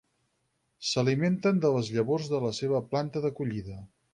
S'alimenten de les llavors de la seva planta d'acollida.